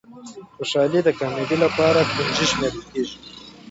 خوشالي د کامیابۍ لپاره کونجي شمېرل کېږي.